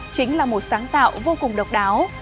chính là một sáng tạo vô cùng độc đáo